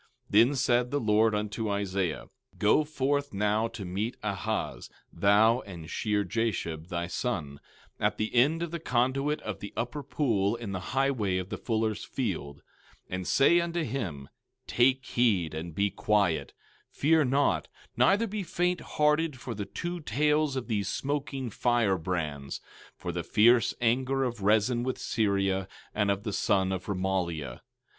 17:3 Then said the Lord unto Isaiah: Go forth now to meet Ahaz, thou and Shearjashub thy son, at the end of the conduit of the upper pool in the highway of the fuller's field; 17:4 And say unto him: Take heed, and be quiet; fear not, neither be faint hearted for the two tails of these smoking firebrands, for the fierce anger of Rezin with Syria, and of the son of Remaliah.